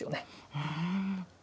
うん。